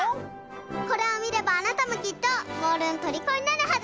これをみればあなたもきっとモールのとりこになるはず！